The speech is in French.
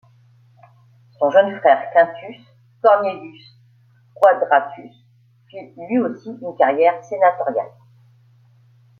Son jeune frère Quintus Cornelius Quadratus fit lui aussi une carrière sénatoriale.